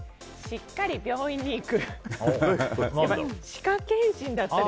しっかり病院に行く。